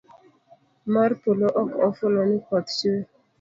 Mor polo ok ofulo ni koth chue